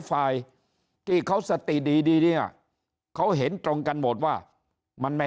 ฝ่ายที่เขาสติดีดีเนี่ยเขาเห็นตรงกันหมดว่ามันไม่